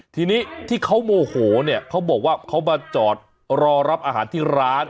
ทีนี้ที่เขาโมโหเนี่ยเขาบอกว่าเขามาจอดรอรับอาหารที่ร้าน